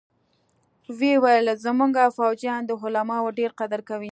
ويې ويل زمونګه فوجيان د علماوو ډېر قدر کوي.